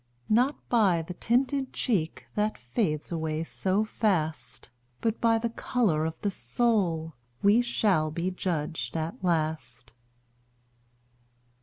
Not by the tinted cheek, That fades away so fast, But by the color of the soul, We shall be judged at last.